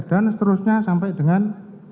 dan seterusnya sampai dengan